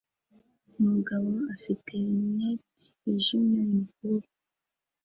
Umugabo afite lente yijimye mu kuboko